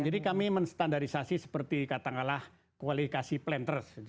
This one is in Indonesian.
jadi kami menstandarisasi seperti katakanlah kualifikasi planters